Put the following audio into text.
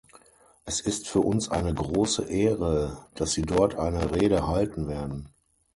Es ist für uns eine große Ehre, dass Sie dort eine Rede halten werden.